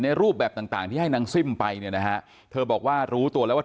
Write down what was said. รูปแบบต่างที่ให้นางซิ่มไปเนี่ยนะฮะเธอบอกว่ารู้ตัวแล้วว่า